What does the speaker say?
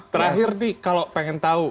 terakhir nih kalau pengen tahu